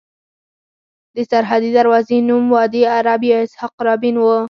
د سرحدي دروازې نوم وادي عرب یا اسحاق رابین وو.